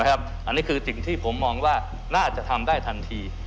อันนี้คือสิ่งที่ผมมองว่าน่าจะทำได้ทันที